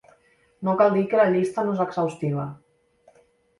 No cal dir que la llista no és exhaustiva.